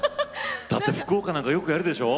だって福岡なんかよくやるでしょ？